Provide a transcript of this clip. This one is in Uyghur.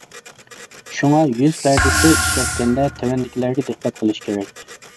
شۇڭا يۈز پەردىسى ئىشلەتكەندە تۆۋەندىكىلەرگە دىققەت قىلىش كېرەك.